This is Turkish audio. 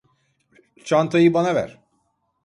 Çantayı bana ver.